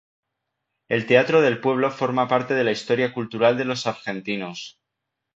El Teatro del Pueblo forma parte de la historia cultural de los argentinos.